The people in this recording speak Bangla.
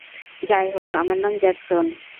যাই হোক, আমার নাম জ্যাকসন।